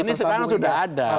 ini sekarang sudah ada